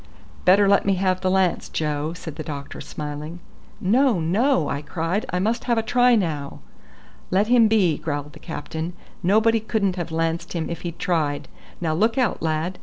"Better let me have the lance, Joe," said the doctor smiling. "No, no," I cried. "I must have a try now." "Let him be," growled the captain; "nobody couldn't have lanced him if he'd tried. Now look out, lad!